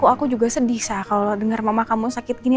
aku juga sedih sih kalau dengar mama kamu sakit gini